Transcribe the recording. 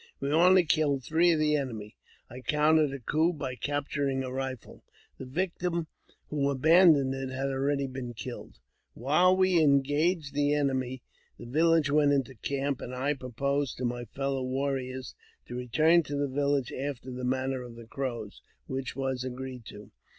We only killed three of the enemy. I counted a coo by capturing a rifle. The victim who abandoned it had been already killed. While we engaged the enemy the village went into camp, l^nd I proposed to my fellow warriors to return to the village ■pter the manner of the Crows, which was agreed to.